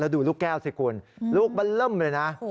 แล้วดูลูกแก้วสิคุณลูกบัลล่มเลยนะ